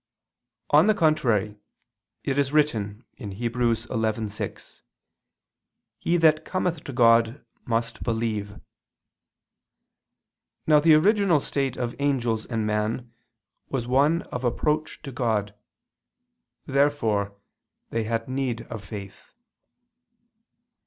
On the contrary, It is written (Heb. 11:6): "He that cometh to God, must believe." Now the original state of angels and man was one of approach to God. Therefore they had need of faith.